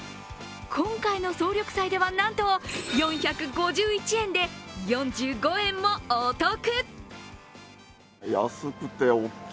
今回の総力祭ではなんと４５１円で４５円もお得。